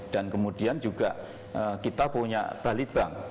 dan kemudian juga kita punya balitbank